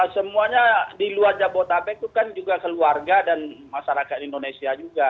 semuanya di luar jabodetabek itu kan juga keluarga dan masyarakat indonesia juga